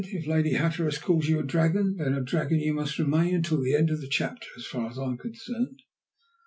"If Lady Hatteras calls you a dragon, then a dragon you must remain until the end of the chapter, so far as I am concerned."